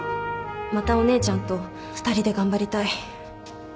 またお姉ちゃんと２人で頑張りたい